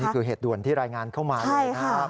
เหตุด่วนที่รายงานเข้ามาเลยนะครับ